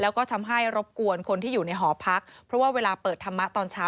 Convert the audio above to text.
แล้วก็ทำให้รบกวนคนที่อยู่ในหอพักเพราะว่าเวลาเปิดธรรมะตอนเช้า